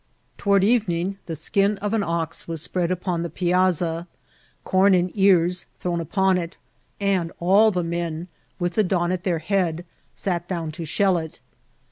Toward eyening the skin of an ox was spread upon the piazza, ccHrn in ears thrown upon it, and all the men^ with the don at their head, sat down to shell it.